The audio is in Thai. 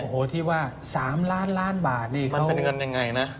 โอ้โหที่ว่า๓ล้านล้านบาทนี่มันเป็นเงินยังไงนะ